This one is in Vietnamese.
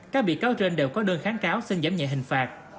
các bị cáo trên đều có đơn kháng cáo xin giảm nhẹ hình phạt